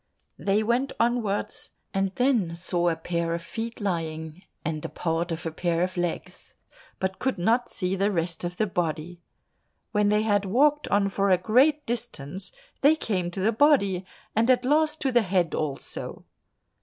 They went onwards, and then saw a pair of feet lying and part of a pair of legs, but could not see the rest of the body. When they had walked on for a great distance, they came to the body, and at last to the head also.